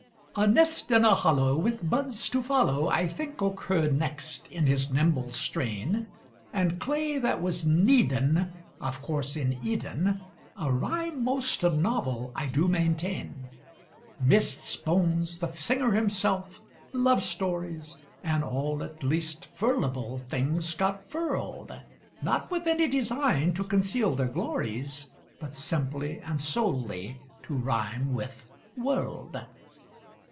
A nest in a hollow, "with buds to follow," I think occurred next in his nimble strain; And clay that was "kneaden," of course in Eden, A rhyme most novel, I do maintain: Mists, bones, the singer himself, love stories, And all at least furlable things got "furled"; Not with any design to conceal their glories, But simply and solely to rhyme with "world."